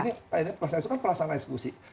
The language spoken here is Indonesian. karena saya suka pelaksanaan eksekusi